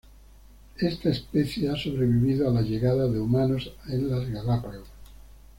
Esta especie ha sobrevivido a la llegada de humanos en las Galápagos.